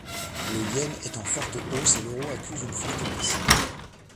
Le yen est en forte hausse et l'euro accuse une forte baisse.